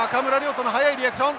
土の速いリアクション。